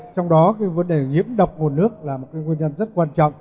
trong đó vấn đề nhiễm độc nguồn nước là một nguyên nhân rất quan trọng